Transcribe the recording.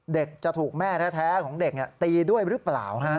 เด็กจะถูกแม่แท้ของเด็กตีด้วยหรือเปล่า